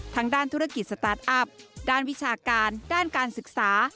ทางด้านธุรกิจสตาร์ทอัพด้านวิชาการด้านการศึกษา